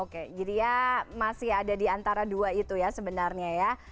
oke jadi ya masih ada di antara dua itu ya sebenarnya ya